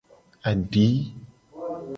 Adi.